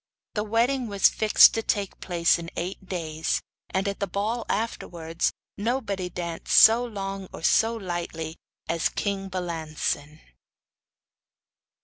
The wedding was fixed to take place in eight days, and at the ball afterwards nobody danced so long or so lightly as king Balancin.